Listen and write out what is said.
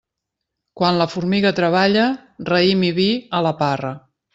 Quan la formiga treballa, raïm i vi a la parra.